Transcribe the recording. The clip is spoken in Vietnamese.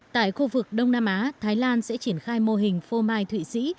tại khu vực đông nam á thái lan sẽ triển khai mô hình phô mai thụy sĩ